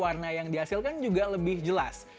warna yang dihasilkan juga lebih jelas